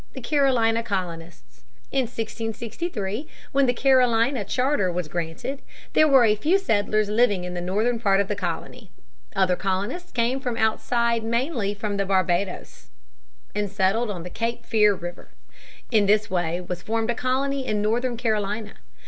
The Carolina Colonists. In 1663, when the Carolina charter was granted, there were a few settlers living in the northern part of the colony. Other colonists came from outside mainly from the Barbadoes and settled on the Cape Fear River. In this way was formed a colony in northern Carolina.